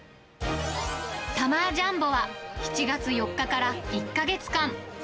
サマージャンボは７月４日から１か月間。